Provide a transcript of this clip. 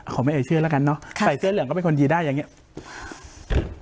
ไม่เอ่ยชื่อแล้วกันเนอะใส่เสื้อเหลืองก็เป็นคนยีได้อย่างนี้